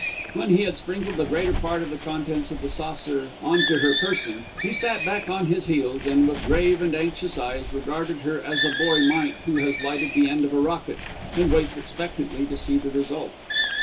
When he had sprinkled the greater part of the contents of the saucer on to her person, he sat back on his heels and, with grave and anxious eyes, regarded her as a boy might who has lighted the end of a rocket and waits expectantly to see the result.